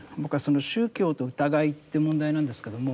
宗教と疑いって問題なんですけども。